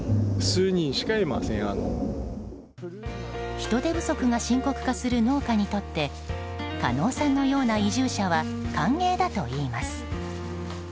人手不足が深刻化する農家にとって加納さんのような移住者は歓迎だといいます。